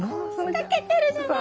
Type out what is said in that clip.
描けてるじゃない！